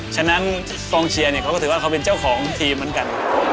ฉะนั้นกองเชียร์เนี่ยเขาก็ถือว่าเขาเป็นเจ้าของทีมเหมือนกัน